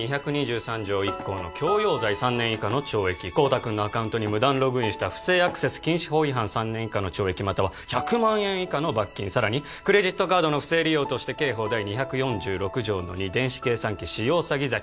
第２２３条１項の強要罪３年以下の懲役孝多君のアカウントに無断ログインした不正アクセス禁止法違反３年以下の懲役または１００万円以下の罰金さらにクレジットカードの不正利用として刑法第２４６条の２電子計算機使用詐欺罪